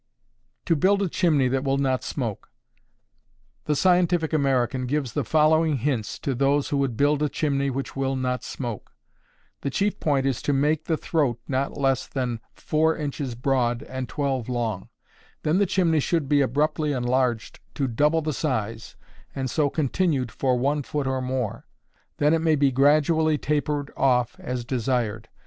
To Build a Chimney that Will Not Smoke. The Scientific American gives the following hints to those who would "build a chimney which will not smoke": The chief point is to make the throat not less than four inches broad and twelve long; then the chimney should be abruptly enlarged to double the size, and so continued for one foot or more; then it may be gradually tapered off as desired.